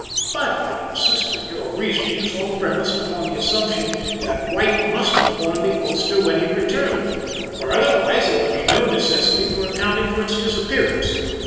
"But," I insisted, "your reasoning is all premised upon the assumption that White must have worn the ulster when he returned, for otherwise there would be no necessity for accounting for its disappearance.